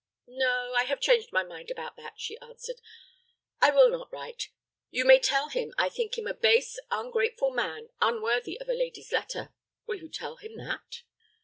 "No, I have changed my mind about that," she answered. "I will not write. You may tell him I think him a base, ungrateful man, unworthy of a lady's letter. Will you tell him that?"